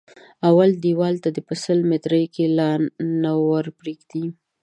اول دېوال ته دې په سل ميتري کې لا نه ور پرېږدي.